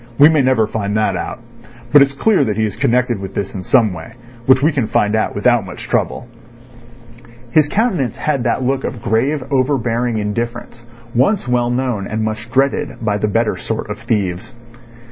We may never find that out. But it's clear that he is connected with this in some way, which we can find out without much trouble." His countenance had that look of grave, overbearing indifference once well known and much dreaded by the better sort of thieves.